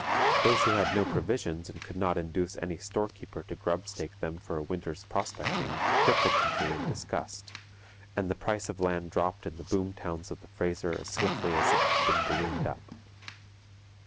Those who had no provisions and could not induce any storekeeper to grubstake them for a winter's prospecting, quit the country in disgust; and the price of land dropped in the boom towns of the Fraser as swiftly as it had been ballooned up.